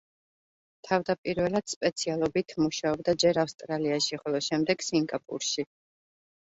თავდაპირველად სპეციალობით მუშაობდა ჯერ ავსტრალიაში, ხოლო შემდეგ სინგაპურში.